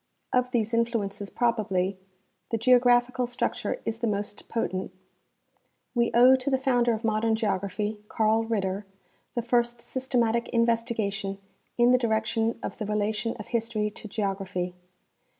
Of these influences, probably, the geographical structure is the most potent. We owe to the founder of modea n geography, Carl Ritter, the first systematic investigation in the direction of the relation of history to geography.